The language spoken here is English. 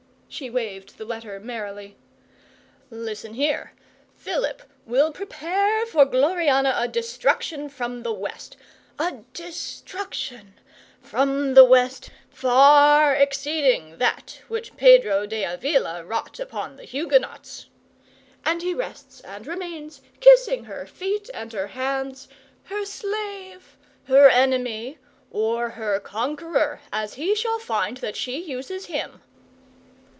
(She waved the letter merrily.) 'Listen here! Philip will prepare for Gloriana a destruction from the West a destruction from the West far exceeding that which Pedro de Avila wrought upon the Huguenots. And he rests and remains, kissing her feet and her hands, her slave, her enemy, or her conqueror, as he shall find that she uses him.